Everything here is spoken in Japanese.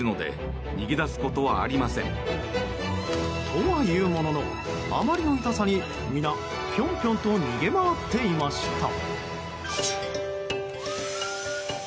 とはいうもののあまりの痛さに皆、ピョンピョンと逃げ回っていました。